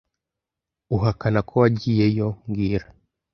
Uhakana ko wagiyeyo mbwira